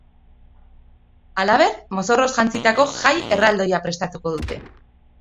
Halaber, mozorroz jantzitako jai erraldoia prestatuko dute.